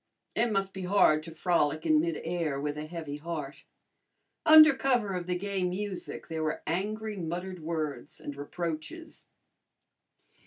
It must be hard to frolic in midair with a heavy heart. Under cover of the gay music there were angry muttered words and reproaches.